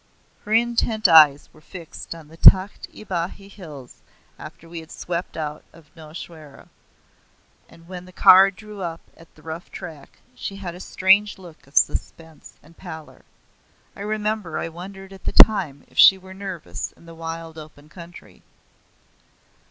Her intent eyes were fixed on the Tahkt i Bahi hills after we had swept out of Nowshera; and when the car drew up at the rough track, she had a strange look of suspense and pallor. I remember I wondered at the time if she were nervous in the wild open country.